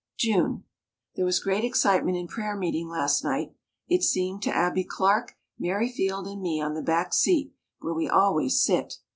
June. There was great excitement in prayer meeting last night, it seemed to Abbie Clark, Mary Field and me on the back seat where we always sit.